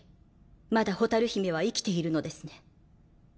まだ蛍姫は生きているのですね？